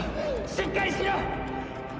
しっかりしろ！